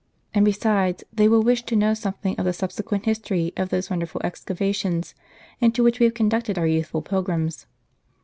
And besides, they will wish to know something of the subsequent history of those wonderful excavations, into which we have conducted our youthful pilgrims.